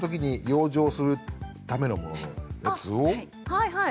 はいはい。